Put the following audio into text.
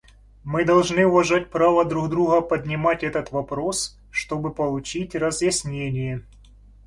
Мы должны уважать право друг друга поднимать этот вопрос, чтобы получить разъяснение.